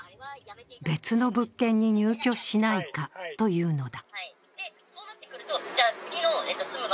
別の物件に入居しないかというのだ。